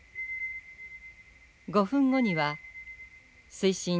５分後には水深１１ｍ。